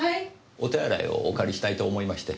お手洗いをお借りしたいと思いまして。